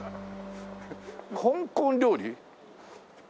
香港料理？